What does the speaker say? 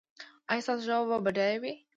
ایا ستاسو ژبه به بډایه وي؟